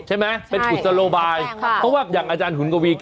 ใช่ไหมเป็นกุศโลบายค่ะเพราะว่าอย่างอาจารย์หุ่นกวี